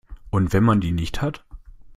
Und wenn man die nicht hat?